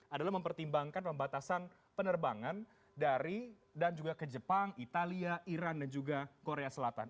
adalah mempertimbangkan pembatasan penerbangan dari dan juga ke jepang italia iran dan juga korea selatan